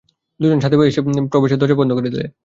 দুজনে ছাদে এসে ছাদে প্রবেশের দরজা বন্ধ করে দিলে।